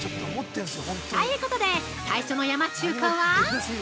◆ということで最初の山中華は！